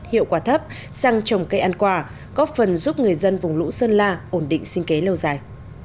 hiệu quả thấp sang trồng cây ăn quả góp phần giúp người dân vùng lũ sơn la ổn định sinh kế lâu dài